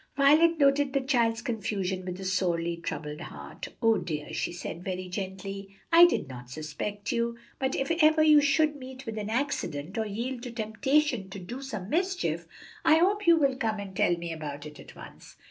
Violet noted the child's confusion with a sorely troubled heart. "No, dear," she said very gently, "I did not suspect you, but if ever you should meet with an accident, or yield to temptation to do some mischief, I hope you will come and tell me about it at once.